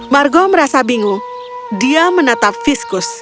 margo merasa bingung dia menatap fiskus